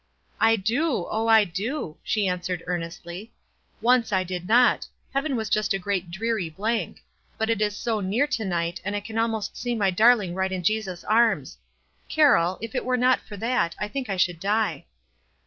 "I do, oh, I do!" she answered, earnestly. * f Oncc I did not ; heaven was just a great dreary blank ; but it is so near to night, and I can al most sec my darling right in Jesus' arms. Car roll, if it were not for that, I think I should die."